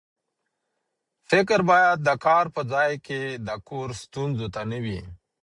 فکر باید د کار په ځای کې د کور ستونزو ته نه وي.